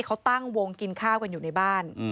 เขาตั้งวงกินข้าวกันอยู่ในบ้าน